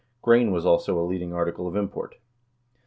* Grain was also a leading article of import.